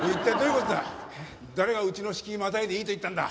誰がうちの敷居またいでいいと言ったんだ！